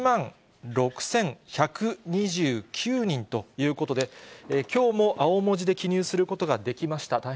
１万６１２９人ということで、きょうも青文字で記入することができました。